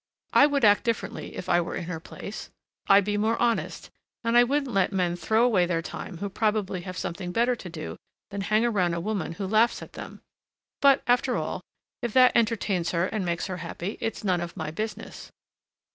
I would act differently if I were in her place; I'd be more honest, and I wouldn't let men throw away their time who probably have something better to do than hang around a woman who laughs at them. But, after all, if that entertains her and makes her happy, it's none of my business.